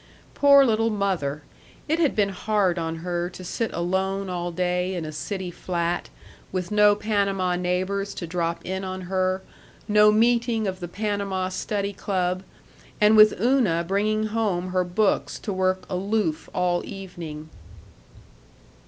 Poor little mother. It had been hard on her to sit alone all day in a city flat, with no Panama neighbors to drop in on her, no meeting of the Panama Study Club, and with Una bringing home her books to work aloof all evening.